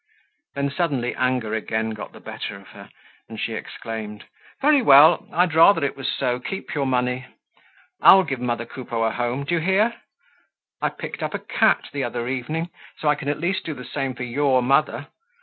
Then suddenly anger again got the better of her and she exclaimed: "Very well, I'd rather it was so; keep your money! I'll give mother Coupeau a home, do you hear? I picked up a cat the other evening, so I can at least do the same for your mother.